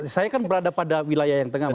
saya kan berada pada wilayah yang tengah